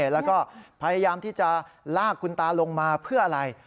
แล้วก็พยายามที่จะลากคุณตาลงมาเพื่ออะไร